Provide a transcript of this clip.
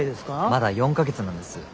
まだ４か月なんです。